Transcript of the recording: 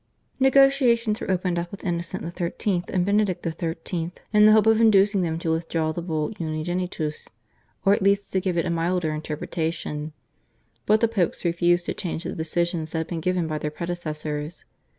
Negotiations were opened up with Innocent XIII. and Benedict XIII. in the hope of inducing them to withdraw the Bull /Unigenitus/, or at least to give it a milder interpretation, but the Popes refused to change the decisions that had been given by their predecessors.